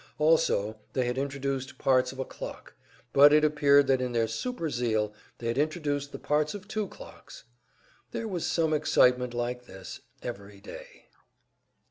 Also they had introduced parts of a clock but it appeared that in their super zeal they had introduced the parts of two clocks! There was some excitement like this every day.